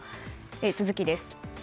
続きです。